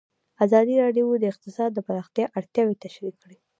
ازادي راډیو د اقتصاد د پراختیا اړتیاوې تشریح کړي.